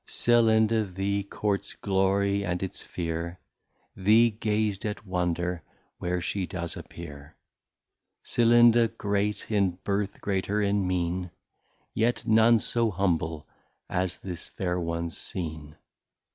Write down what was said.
Celinda, the Courts Glory, and its fear, The gaz'd at Wonder, where she does appear. Celinda great in Birth, greater in Meen, Yet none so humble as this Fair One's seen.